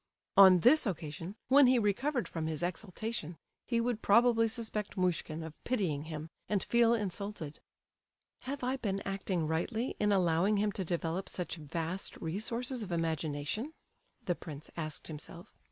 On this occasion, when he recovered from his exaltation, he would probably suspect Muishkin of pitying him, and feel insulted. "Have I been acting rightly in allowing him to develop such vast resources of imagination?" the prince asked himself.